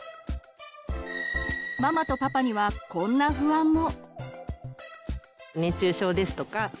ママとパパにはこんな不安も。